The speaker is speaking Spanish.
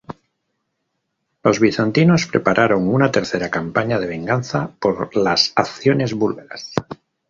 Los bizantinos prepararon una tercera campaña de venganza por las acciones búlgaras.